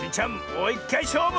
もういっかいしょうぶ！